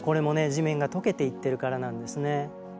地面がとけていってるからなんですね。